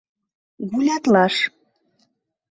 Гулятлаш.